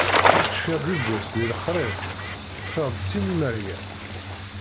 Cfiɣ yiwwas di lexrif, ṭṭfeɣ-d sin imerga.